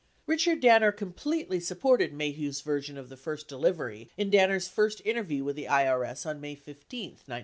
60 Bichard Danner completely supported Maheu's version of the first delivery in Danner's first interview with the IBS on May 15, 1972.